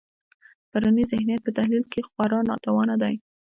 پرونی ذهنیت په تحلیل کې خورا ناتوانه دی.